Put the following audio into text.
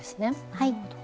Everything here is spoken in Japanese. はい。